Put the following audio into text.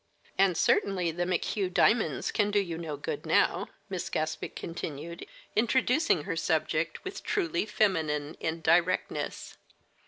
"And certainly the McHugh diamonds can do you no good now," Miss Gaspic continued, introducing her subject with truly feminine indirectness.